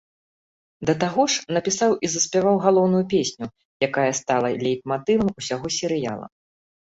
Да таго ж, напісаў і заспяваў галоўную песню, якая стала лейтматывам усяго серыяла.